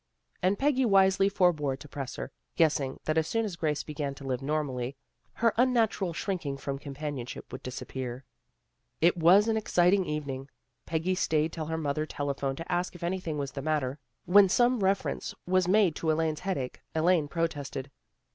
And Peggy wisely forbore to press her, guessing that as soon as Grace began to live normally her unnatural shrinking from companionship would disappear. It was an exciting evening. Peggy stayed till her mother telephoned to ask if anything was the matter. When some reference was made to Elaine's headache, Elaine protested.